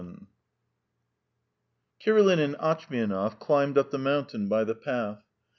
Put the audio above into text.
VII Kirilin and Atchmianov climbed up the mountain by the path.